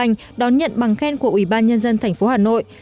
đây là một trong những thông khen của ủy ban nhân dân tp hà nội